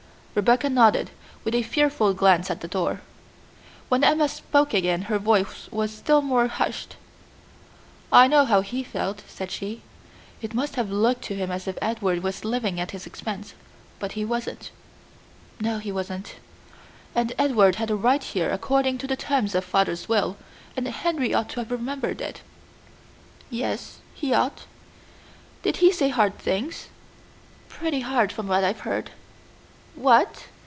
Rebecca nodded, with a fearful glance at the door. When Emma spoke again her voice was still more hushed. "I know how he felt," said she. "It must have looked to him as if Edward was living at his expense, but he wasn't." "No, he wasn't." "And Edward had a right here according to the terms of father's will, and Henry ought to have remembered it." "Yes, he ought." "Did he say hard things?" "Pretty hard, from what I heard." "What?"